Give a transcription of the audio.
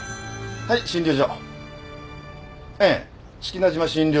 ☎はい診療所。